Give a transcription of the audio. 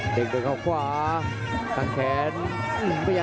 เด็กดุงต่อขวาซ้าย